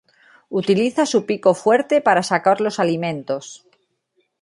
Utiliza su pico fuerte para sacar los alimentos.